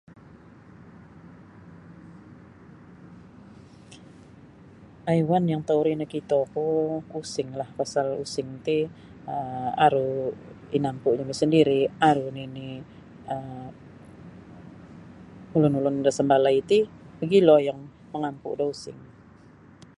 Haiwan yang tauri nakito ku using lah pasal using ti um aru inangku jami sandiri aru nini um ulun-ulun da sambalai ti mogilo yang mangampu da using.